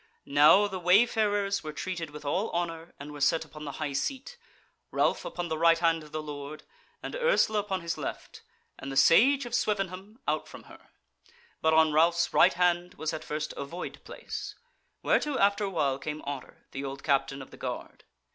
Now the wayfarers were treated with all honour and were set upon the high seat, Ralph upon the right hand of the Lord, and Ursula upon his left, and the Sage of Swevenham out from her. But on Ralph's right hand was at first a void place, whereto after a while came Otter, the old Captain of the Guard.